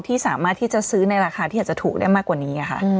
ที่สามารถที่จะซื้อในราคาที่อาจจะถูกได้มากกว่านี้ค่ะ